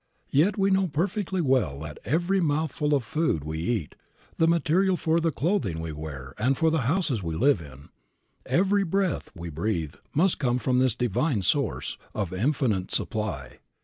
Yet we know perfectly well that every mouthful of food we eat, the material for the clothing we wear and for the houses we live in, every breath we breathe must come from this Divine Source, of infinite supply.